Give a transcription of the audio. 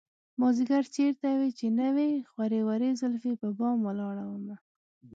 مازديگر چېرته وې چې نه وې خورې ورې زلفې په بام ولاړه ومه